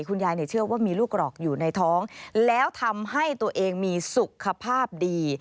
เชื่อว่ามีลูกหรอกอยู่ในท้องแล้วทำให้ตัวเองมีสุขภาพดี